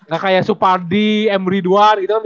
gak kayak supardi emre duar